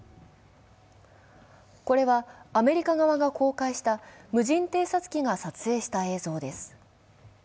これは、アメリカ側が公開した無人偵察機が撮影した映像です。